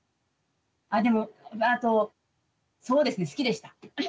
あでもそうですね好きでした。